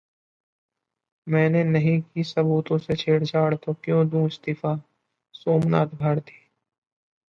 मैंने नहीं की सबूतों से छेड़छाड़ तो क्यों दूं इस्तीफाः सोमनाथ भारती